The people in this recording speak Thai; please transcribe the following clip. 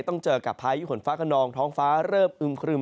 ต้องเจอกับพายุฝนฟ้าขนองท้องฟ้าเริ่มอึมครึม